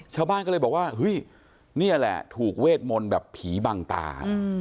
ชาวบ้านก็เลยบอกว่าเฮ้ยนี่แหละถูกเวทมนต์แบบผีบังตา